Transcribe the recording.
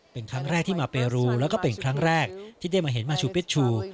เป็นครั้งแรกที่มาเปรูแล้วก็เป็นครั้งแรกที่ได้มาเห็นมาชูเปชชู